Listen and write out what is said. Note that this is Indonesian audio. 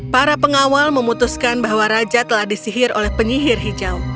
para pengawal memutuskan bahwa raja telah disihir oleh penyihir hijau